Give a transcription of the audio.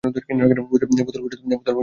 বোতল পর্যন্ত ব্যবহার করেছি।